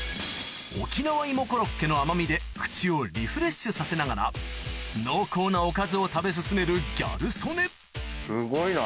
沖縄芋コロッケの甘みで口をリフレッシュさせながら濃厚なおかずを食べ進めるギャル曽根